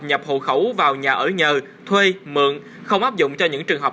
nhập hộ khẩu vào nhà ở nhờ thuê mượn không áp dụng cho những trường hợp